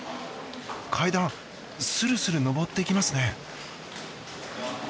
階段するする上っていきますね。